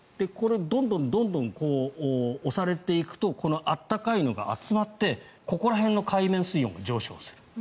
どんどん押されていくとこの暖かいのが集まってここら辺の海面水温が上昇する。